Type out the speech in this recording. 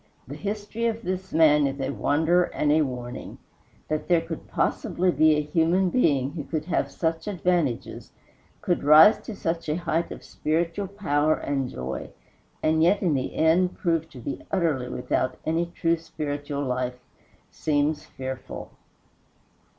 The history of this man is a wonder and a warning. That there could possibly be a human being who could have such advantages, could rise to such a height of spiritual power and joy, and yet in the end prove to be utterly without any true spiritual life seems fearful.